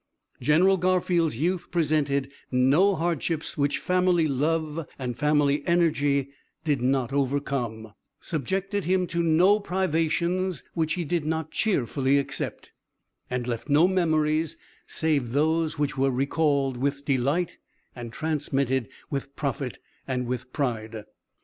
General Garfield's youth presented no hardships which family love and family energy did not overcome, subjected him to no privations which he did not cheerfully accept, and left no memories save those which were recalled with delight, and transmitted with profit and with pride.